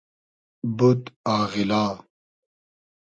بود آغیلا